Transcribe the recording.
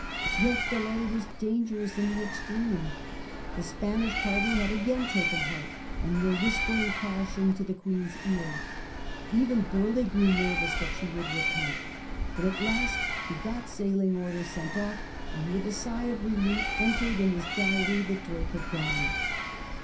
Yet delay was dangerous in the extreme. The Spanish party had again taken heart, and were whispering caution in the Queen's ear. Even Burleigh grew nervous that she would repent ; but at last he got sailing orders sent off, and, with a sigh of relief, entered in his diary that Drake had gone.